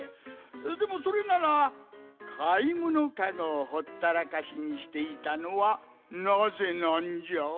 でもそれならかいものカゴをほったらかしにしていたのはなぜなんじゃ？